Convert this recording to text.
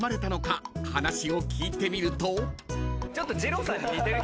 ［話を聞いてみると］